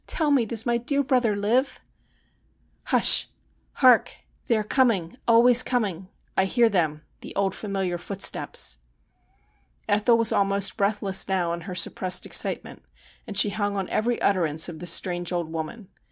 tell me, does my dear brother live ?'' Hush ! Hark ! They are coming — always coming. I hear them ; the old familiar footsteps.' Ethel was almost breathless now in her suppressed ex citement, and she hung on every utterance of the strange old woman.